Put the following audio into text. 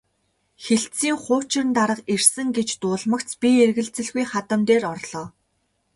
Хэлтсийн хуучин дарга ирсэн гэж дуулмагц би эргэлзэлгүй хадам дээр орлоо.